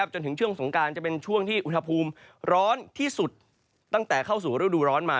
จนถึงช่วงสงการจะเป็นช่วงที่อุณหภูมิร้อนที่สุดตั้งแต่เข้าสู่ฤดูร้อนมา